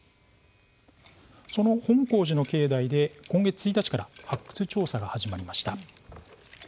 その本興寺の境内で今月１日から発掘調査が始まりました。